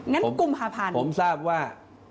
กุมภาพันธ์ผมทราบว่า